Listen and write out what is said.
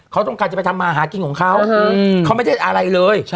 เขาต้องการจะไปทำมาหากินของเขาเขาไม่ได้อะไรเลย